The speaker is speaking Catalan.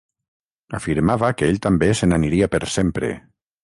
Afirmava que ell també se n’aniria per sempre.